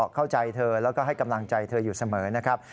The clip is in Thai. เข้าใจเธอแล้วก็ให้กำลังใจเธออยู่เสมอนะครับ